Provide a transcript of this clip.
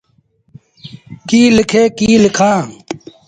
ڪيٚ ليٚکي ڪيٚ لکآݩ۔